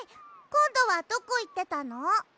こんどはどこいってたの？